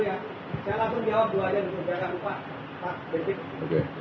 saya lapor jawab dua aja untuk bapak pak detik